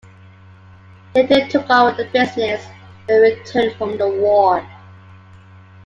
He later took over the business, when he returned from the War.